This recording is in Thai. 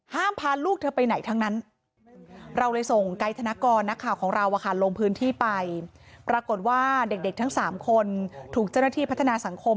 ห้ามพาลูกเธอไปไหนทั้งนั้น